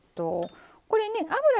これね油